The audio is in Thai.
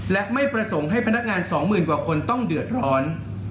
และไม่ประสงค์ให้พนักงานสองหมื่นกว่าคนต้องเดือดร้อน